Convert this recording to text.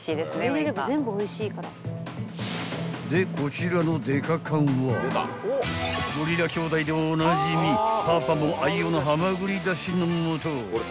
［でこちらのデカ缶はゴリラ兄弟でおなじみパパも愛用のはまぐりだしの素］